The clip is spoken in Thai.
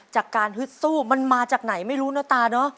ฮึดสู้มันมาจากไหนไม่รู้นะตาเนอะ